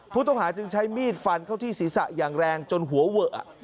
ผู้ต้องหาจึงใช้มีดฟันเข้าที่ศีรษะอย่างแรงจนหัวเวอะ